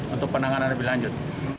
untuk penanganan lebih lanjut